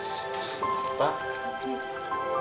aku sudah sampai kepadamu